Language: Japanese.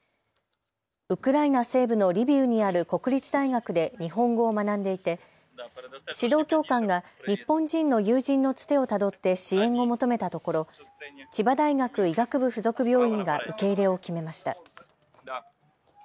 ウクライナ西部のリビウにある国立大学で日本語を学んでいて指導教官が日本人の友人のつてをたどって支援を求めたところ千葉大学医学部附属病院が受け入れを決めました。